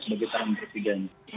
di saluran presiden